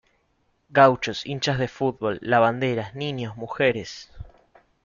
Gauchos, hinchas de fútbol, lavanderas, niños, mujeres.